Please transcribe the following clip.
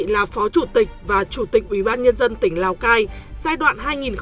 là phó chủ tịch và chủ tịch ủy ban nhân dân tỉnh lào cai giai đoạn hai nghìn một mươi hai hai nghìn một mươi năm